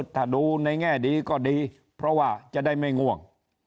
ถ้าดูในแง่ดีก็ดีเพราะว่าจะได้ไม่ง่วง